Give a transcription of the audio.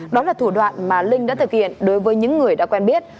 đó là thủ đoạn mà linh đã thực hiện đối với những người đã quen biết